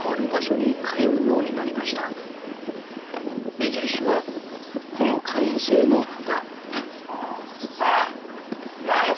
目印はこの会員制の札。